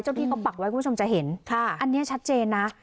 ที่เขาปักไว้คุณผู้ชมจะเห็นอันนี้ชัดเจนนะ